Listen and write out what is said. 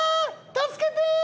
助けてー！